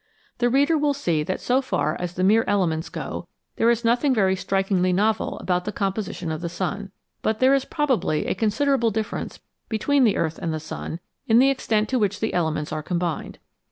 The reader will see that so far as the mere elements go, there is nothing very strikingly novel about the composition of the sun, but there is probably a considerable difference between the earth and the sun in the extent to which the elements are combined.